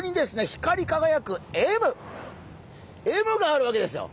光りかがやくＭＭがあるわけですよ。